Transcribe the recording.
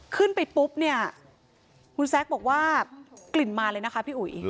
ขึ้นไปปุ๊บเนี่ยคุณแซคบอกว่ากลิ่นมาเลยนะคะพี่อุ๋ย